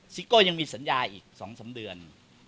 ซิโก้ยังมีสัญญาอีก๒๓เดือน